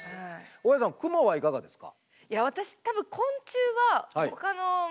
大家さんクモはいかがですか？